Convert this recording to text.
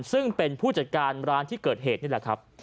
ซึ่งเป็นผู้จัดการร้านที่เกิดเหตุนี่แหละครับ